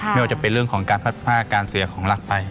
ไม่ว่าจะเป็นเรื่องของการพัดผ้าการเสียของหลักไป